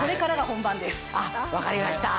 分かりました。